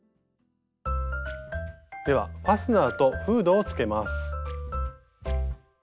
ではファスナーとフードをつけます。